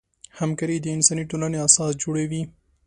همکاري د انساني ټولنې اساس جوړوي.